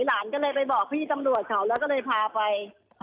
หลานก็เลยไปบอกพี่ตำรวจเขาแล้วก็เลยพาไป